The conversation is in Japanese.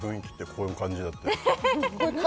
「こういう感じだったよ」？